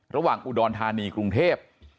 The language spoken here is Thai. ระหว่างอุดรธานีกรุงเทพ